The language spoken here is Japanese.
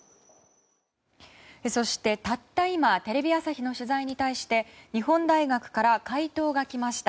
そして、たった今テレビ朝日の取材に対して日本大学から回答が来ました。